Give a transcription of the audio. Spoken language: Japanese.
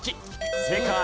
正解。